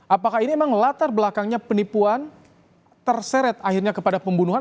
apakah ini memang latar belakangnya penipuan terseret akhirnya kepada pembunuhan